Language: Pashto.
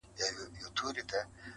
ويل يې غواړم ځوانيمرگ سي~